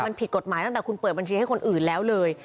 มันผิดกฎหมายตั้งแต่คุณเปิดบัญชีให้คนอื่นแล้วเลย